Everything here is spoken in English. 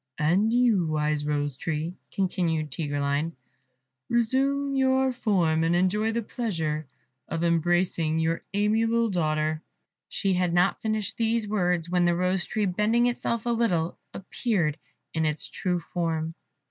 "And you, wise Rose tree," continued Tigreline, "resume your form, and enjoy the pleasure of embracing your amiable daughter." She had not finished these words when the Rose tree, bending itself a little, appeared in its true form.